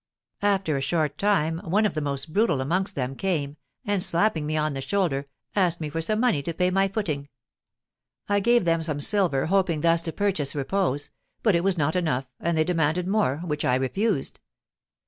After a short time one of the most brutal amongst them came, and, slapping me on the shoulder, asked me for money to pay my footing. I gave them some silver, hoping thus to purchase repose; but it was not enough, and they demanded more, which I refused.